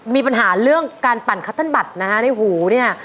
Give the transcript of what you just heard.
มีปัญหาเรื่องการปั่นคัตเติ้ลบัตรนะฮะในหูเนี่ย